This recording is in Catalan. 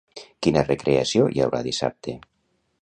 Quina recreació hi haurà dissabte?